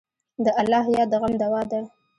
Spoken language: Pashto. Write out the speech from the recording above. د الله یاد د غم دوا ده.